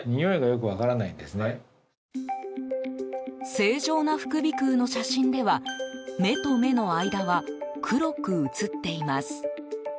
正常な副鼻腔の写真では目と目の間は黒く写っています。